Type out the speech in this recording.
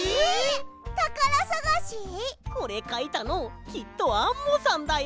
これかいたのきっとアンモさんだよ。